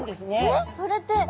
えっそれって。